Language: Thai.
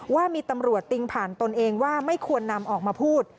ว่ามีตำรวจติงผ่านตนเองว่าไม่ควรนำออกมาพูด